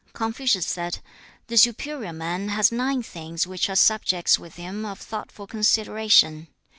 Confucius said, 'The superior man has nine things which are subjects with him of thoughtful consideration.